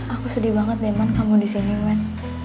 aku sedih banget deh man kamu disini man